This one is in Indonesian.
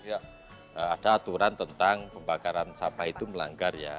ya ada aturan tentang pembakaran sampah itu melanggar ya